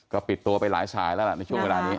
ก็ปิดตัวไปหลายสายแล้วล่ะในช่วงเวลานี้